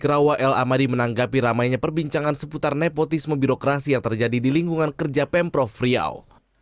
rawa l amadi menanggapi ramainya perbincangan seputar nepotisme birokrasi yang terjadi di lingkungan kerja pemprov riau